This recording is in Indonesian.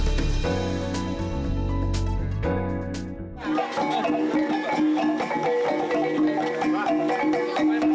bagaimana kita menjajikan daerah daerah kita